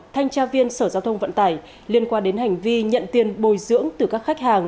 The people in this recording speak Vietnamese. thanh tra viên sở giao thông vận tải liên quan đến hành vi nhận tiền bồi dưỡng từ các khách hàng